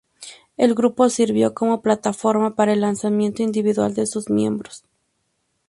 El grupo sirvió como plataforma para el lanzamiento individual de sus miembros.